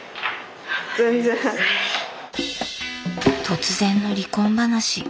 突然の離婚話。